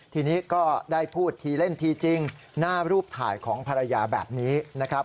ทีนี้ก็ได้พูดทีเล่นทีจริงหน้ารูปถ่ายของภรรยาแบบนี้นะครับ